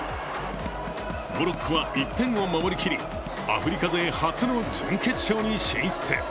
モロッコは１点を守り切り、アフリカ勢初の準決勝進出。